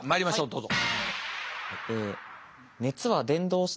どうぞ。